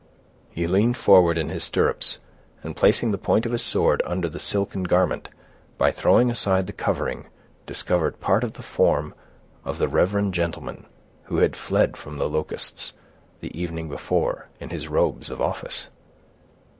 He leaned forward in his stirrups, and placing the point of his sword under the silken garment, by throwing aside the covering, discovered part of the form of the reverend gentleman who had fled from the Locusts, the evening before, in his robes of office.